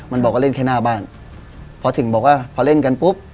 มันบอกว่าเล่นแค่หน้าบ้านพอถึงบอกว่าพอเล่นกันปุ๊บ